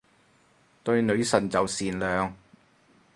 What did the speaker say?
對女神就善良